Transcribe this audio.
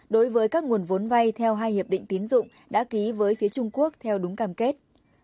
đối với các nguồn vốn vay theo hai hiệp định tín dụng đã ký với phía trung quốc theo đúng cam kết